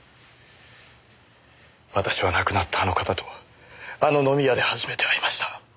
私は亡くなったあの方とあの飲み屋で初めて会いました。